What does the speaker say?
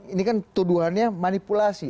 ini kan tuduhannya manipulasi